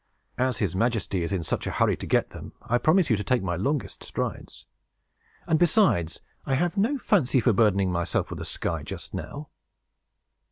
As his majesty is in such a hurry to get them, I promise you to take my longest strides. And, besides, I have no fancy for burdening myself with the sky, just now."